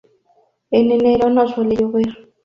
En enero no suele llover.